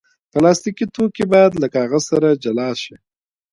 پلاستيکي توکي باید له کاغذ سره جلا شي.